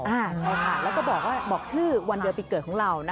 ใช่ค่ะแล้วก็บอกว่าบอกชื่อวันเดือนปีเกิดของเรานะ